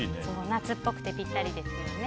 夏っぽくてぴったりですよね。